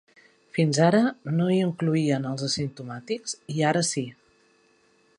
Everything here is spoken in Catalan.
Fins ara no hi incloïen els asimptomàtics, i ara sí.